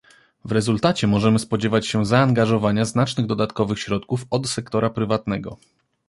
W rezultacie możemy spodziewać się zaangażowania znacznych dodatkowych środków od sektora prywatnego